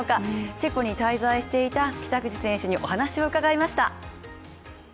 チェコに滞在していた北口選手にお話を伺いました。